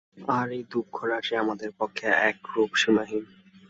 আর এই দুঃখরাশি আমাদের পক্ষে একরূপ সীমাহীন।